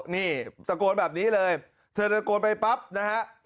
นี่ตะโกนแบบนี้เลยเธอตะโกนไปปั๊บนะฮะ